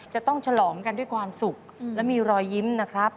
ฉลองกันด้วยความสุขและมีรอยยิ้มนะครับ